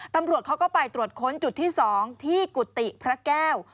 ตำรวจเขาก็ไปตรวจค้นจุดที่๒ที่กุฏิพระแก้ว